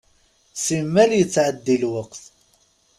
Simmal yettɛeddi lweqt.